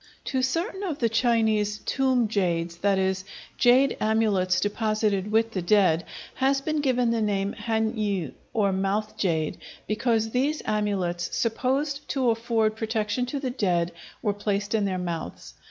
To certain of the Chinese "tomb jades"—that is, jade amulets deposited with the dead—has been given the name han yü, or "mouth jade," because these amulets, supposed to afford protection to the dead, were placed in their mouths.